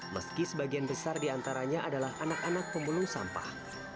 meski sebagian besar diantaranya adalah anak anak pemulung sampah